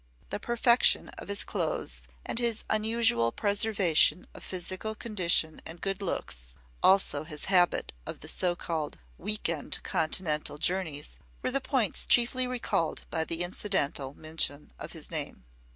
The perfection of his clothes, and his unusual preservation of physical condition and good looks, also his habit of the so called "week end" continental journeys, were the points chiefly recalled by the incidental mention of his name.